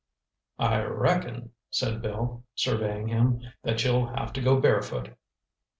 "I reckon," said Bill, surveying him, "that you'll have to go barefoot."